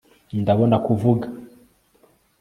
ndabona kuvuga